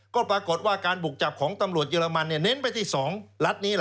ก็ปรากฏว่าการบุกจับของตำรวจเยอรมันเน้นไปที่๒รัฐนี้